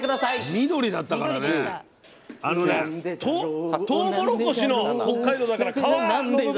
緑だったからねあのねトウモロコシの北海道だから皮の部分。